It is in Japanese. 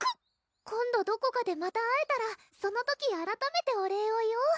今度どこかでまた会えたらその時あらためてお礼を言おう？